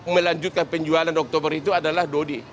melanjutkan penjualan oktober itu adalah dodi